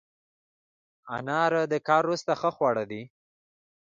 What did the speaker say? انار د کار وروسته ښه خواړه دي.